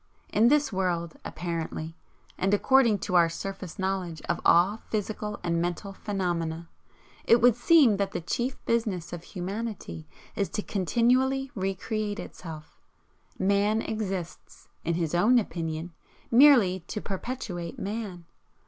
In this world, apparently, and according to our surface knowledge of all physical and mental phenomena, it would seem that the chief business of humanity is to continually re create itself. Man exists in his own opinion merely to perpetuate Man.